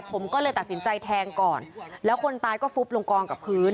ผมก็เลยตัดสินใจแทงก่อนแล้วคนตายก็ฟุบลงกองกับพื้น